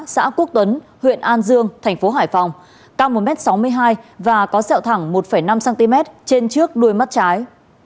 xã quốc tuấn huyện an dương thành phố hải phòng cao một m sáu mươi hai và có sẹo thẳng một năm cm trên trước đuôi mắt trái